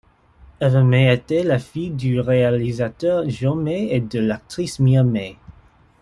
Eva May était la fille du réalisateur Joe May et de l'actrice Mia May.